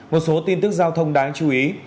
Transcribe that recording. một số tin tức giao thông đáng chú ý